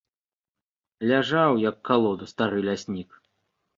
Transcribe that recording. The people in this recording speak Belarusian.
Ляжаў, як калода, стары ляснік.